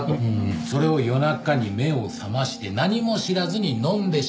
それを夜中に目を覚まして何も知らずに飲んでしまった。